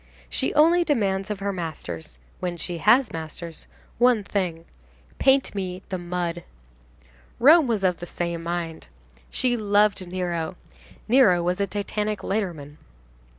She only demands of her masters—when she has masters—one thing: "Paint me the mud." Rome was of the same mind. She loved Nero. Nero was a titanic lighterman.